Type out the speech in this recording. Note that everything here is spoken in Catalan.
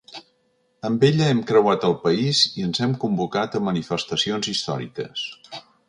Amb ella hem creuat el país i ens hem convocat a manifestacions històriques.